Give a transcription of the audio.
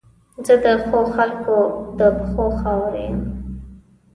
زه د ښو خلګو د پښو خاورې یم.